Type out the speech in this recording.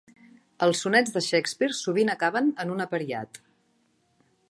Els sonets de Shakespeare sovint acaben en un apariat.